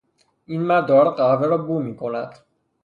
این مرد دارد قهوه را بو میکند.